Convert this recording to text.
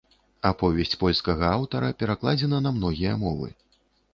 Аповесць польскага аўтара перакладзена на многія мовы.